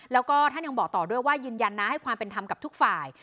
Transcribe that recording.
แล้วก็ท่านยังบอกต่อด้วยว่ายืนยันนะให้ความเป็นธรรมกับทุกฝ่าย